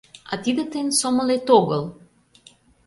А тиде тыйын сомылет огыл!